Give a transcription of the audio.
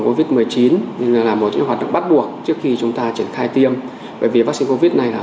covid một mươi chín là một hoạt động bắt buộc trước khi chúng ta triển khai tiêm bởi vì vắc xin covid này là